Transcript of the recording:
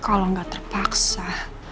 kalau gak terpaksa